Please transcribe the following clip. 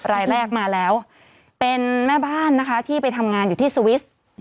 รายแรกมาแล้วเป็นแม่บ้านนะคะที่ไปทำงานอยู่ที่สวิสต์